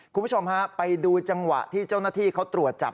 คุณผู้ชมฮะไปดูจังหวะที่เจ้าหน้าที่เขาตรวจจับ